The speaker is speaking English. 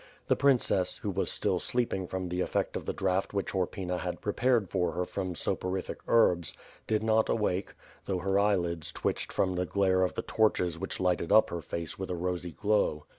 The princess, who was still sleeping from the effect of the draught which Horpyna had prepared for her from soporific herlS, did not WITH FIRE AND 8W0Rt>. 435 awake; though her eyelids twitched from the glare of the torches which lighted up her face with a rosy glow.